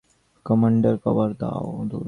কমান্ডোদের cover দাও!